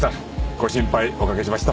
ご心配おかけしました。